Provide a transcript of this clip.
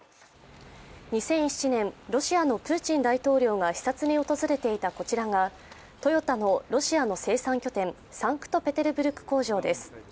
２００７年、ロシアのプーチン大統領が視察に訪れていたこちらがトヨタのロシアの生産拠点サンクトペテルブルク